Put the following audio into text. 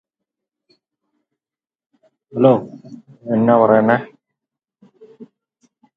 This new list helped avoid that mistake being repeated.